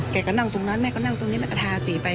แกก็นั่งตรงนั้นแม่ก็นั่งตรงนี้แม่ก็ทาสีไป